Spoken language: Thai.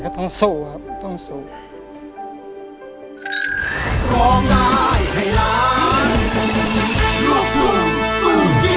ต้องสู้ครับต้องสู้